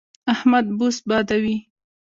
احمد بوس بادوي.